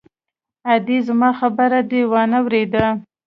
_ادې! زما خبره دې وانه ورېده!